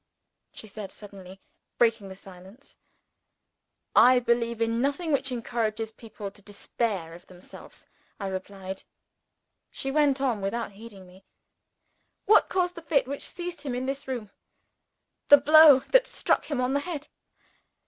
she said, suddenly breaking the silence. "I believe in nothing which encourages people to despair of themselves," I replied. She went on without heeding me. "What caused the fit which seized him in this room? The blow that struck him on the head.